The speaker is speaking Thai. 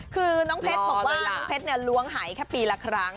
คือน้องเพชรบอกว่าน้องเพชรล้วงหายแค่ปีละครั้ง